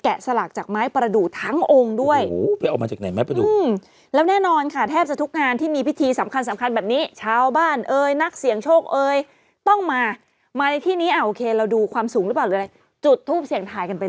แกะสลักจากไม้ประดุทั้งองค์ด้วย